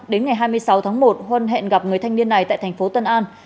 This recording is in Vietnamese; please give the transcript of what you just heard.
đến ngày hai mươi sáu tháng một huân hẹn gặp người thanh niên này tại tp tân an